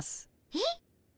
えっ？